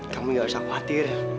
kamu nggak usah khawatir